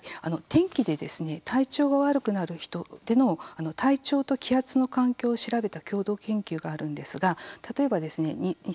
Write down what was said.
天気で体調が悪くなる人ってのを体調と気圧の関係を調べた共同研究があるんですが例えばですね